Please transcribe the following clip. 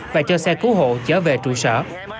và cho xe cứu hộ chở về trụ sở